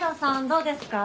どうですか？